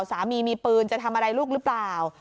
สามีมีปืนจะทำอะไรลูกหรือเปล่า